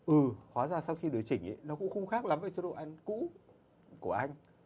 ừ hóa ra sau khi điều chỉnh nó cũng không khác lắm về chế độ ăn cũ của anh